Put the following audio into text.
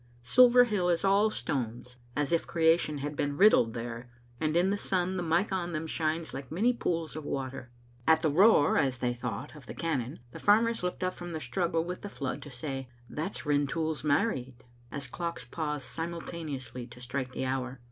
Silver Hill is all stones, as if creation had been riddled there, and in the sun the mica on them shines like many pools of water. At the roar, as they thought, of the cannon, the farm' ers looked up from their struggle with the flood to say^ "That's Rintoul married," as clocks pause simultane ously to strike the hour.